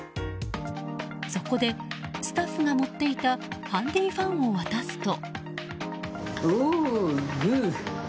そこでスタッフが持っていたハンディーファンを渡すと。